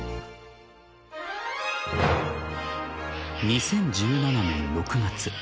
［２０１７年６月］